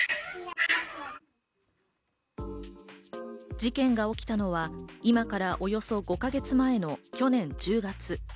事件が起きたのは今からおよそ５か月前の去年１０月。